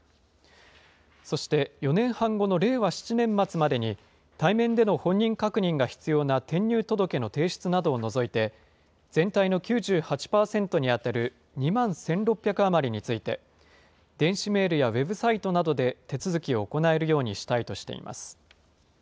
そして、４年半後の令和７年末までに、対面での本人確認が必要な転入届の提出などを除いて、全体の９８％に当たる２万１６００余りについて、電子メールやウェブサイトなどで手続きを行えるようにしたいとしています。